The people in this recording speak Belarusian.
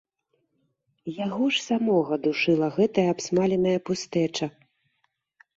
Яго ж самога душыла гэтая абсмаленая пустэча!